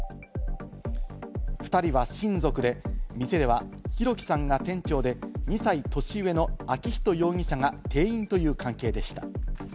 ２人は親族で、店では弘輝さんが店長で２歳年上の昭仁容疑者が店員という関係でした。